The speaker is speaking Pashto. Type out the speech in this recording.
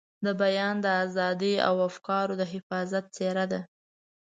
د بیان د ازادۍ او افکارو د حفاظت څېره ده.